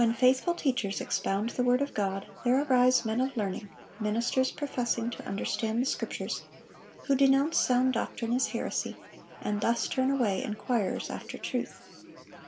(641) When faithful teachers expound the word of God, there arise men of learning, ministers professing to understand the Scriptures, who denounce sound doctrine as heresy, and thus turn away inquirers after truth.